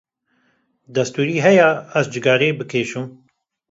Destûrî heye, ez cigirê bi kêşim ?